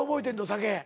酒。